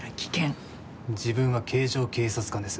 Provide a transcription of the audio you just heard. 自分は警乗警察官です。